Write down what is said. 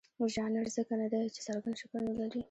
ژانر ځکه نه دی چې څرګند شکل نه لري.